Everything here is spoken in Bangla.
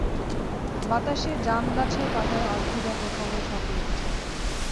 বাতাসে জামগাছের পাতায় অদ্ভুদ এক রকমের শব্দ উঠছে।